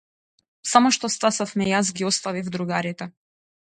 Само што стасавме јас ги оставив другарите.